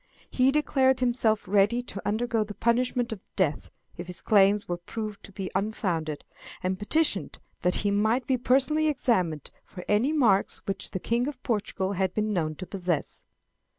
He declared himself ready to undergo the punishment of death if his claims were proved to be unfounded, and petitioned that he might be personally examined for any marks which the King of Portugal had been known to possess.